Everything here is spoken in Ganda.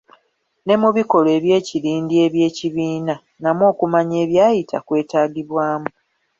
Ne mu bikolwa eby'ekirindi eby'ekibiina, namwo okumanya ebyayita kwetaagibwamu.